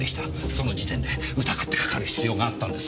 その時点で疑ってかかる必要があったんです。